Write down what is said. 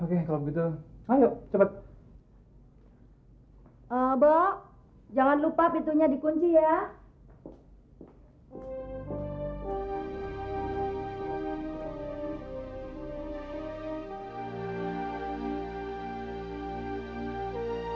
oke kalau begitu ayo cepat